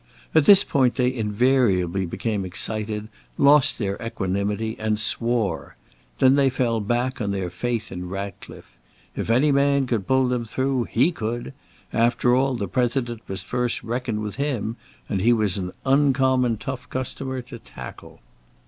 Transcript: At this point they invariably became excited, lost their equanimity, and swore. Then they fell back on their faith in Ratcliffe: if any man could pull them through, he could; after all, the President must first reckon with him, and he was an uncommon tough customer to tackle.